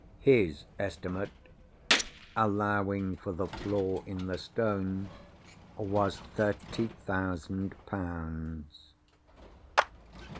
His estimate (allowing for the flaw in the stone) was thirty thousand pounds.